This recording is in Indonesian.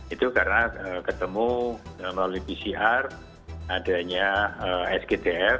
itu karena ketemu melalui pcr adanya sgtf